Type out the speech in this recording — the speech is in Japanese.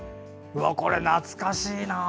これ懐かしいな！